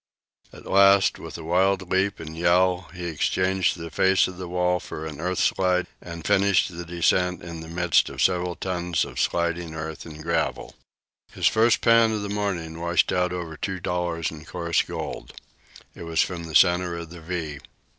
At last, with a wild leap and yell, he exchanged the face of the wall for an earth slide and finished the descent in the midst of several tons of sliding earth and gravel. His first pan of the morning washed out over two dollars in coarse gold. It was from the centre of the "V."